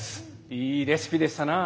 いいレシピでしたな。